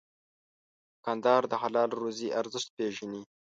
دوکاندار د حلال روزي ارزښت پېژني.